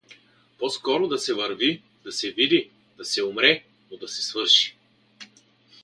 По-скоро да се върви, да се види, да се умре, но да се свърши.